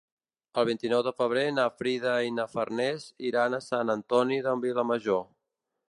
El vint-i-nou de febrer na Frida i na Farners iran a Sant Antoni de Vilamajor.